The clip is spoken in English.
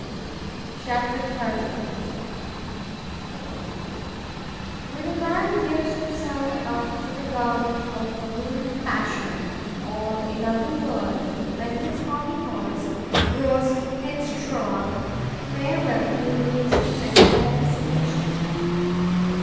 C H A P. XXX WHEN a man gives himself up to the government of a ruling passion,—or, in other words, when his HOBBY HORSE grows headstrong,——farewell cool reason and fair discretion!